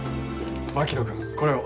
槙野君これを。